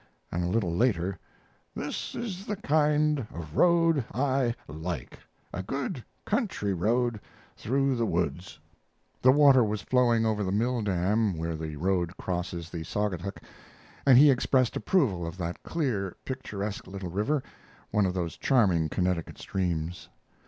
And a little later: "This is the kind of a road I like; a good country road through the woods." The water was flowing over the mill dam where the road crosses the Saugatuck, and he expressed approval of that clear, picturesque little river, one of those charming Connecticut streams.